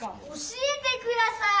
教えてください！